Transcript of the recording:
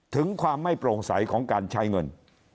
ถึงความไม่โปร่งใสของการใช้เงิน